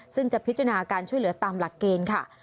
ซึ่งจะพิจารณาการช่วยเหลือตามหลักเกณฑ์ค่ะ